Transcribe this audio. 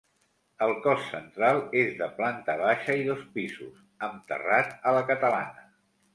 El cos central és de planta baixa i dos pisos, amb terrat a la catalana.